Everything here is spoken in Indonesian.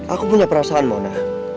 aku punya perasaan mona